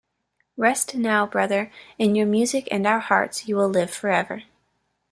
Rest now, brother - in your music and our hearts you will live forever.